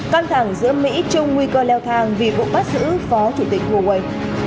căn thẳng giữa mỹ chung nguy cơ leo thang vì vụ bắt giữ phó chủ tịch huawei